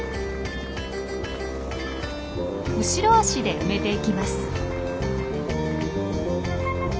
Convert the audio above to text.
後ろ足で埋めていきます。